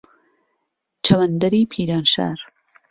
چەوەندەری پیرانشار